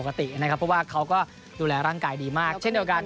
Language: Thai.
เพราะว่าเขาก็ดูแลร่างกายดีมากเช่นเดียวกัน